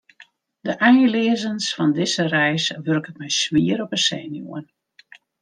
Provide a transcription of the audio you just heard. De einleazens fan dizze reis wurket my swier op 'e senuwen.